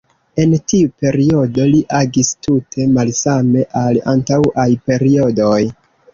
En tiu periodo, li agis tute malsame al antaŭaj periodoj.